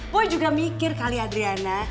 gue juga mikir kali adriana